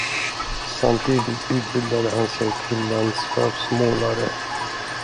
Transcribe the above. Samtidigt utbildade han sig till landskapsmålare.